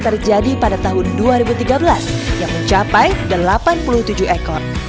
terjadi pada tahun dua ribu tiga belas yang mencapai delapan puluh tujuh ekor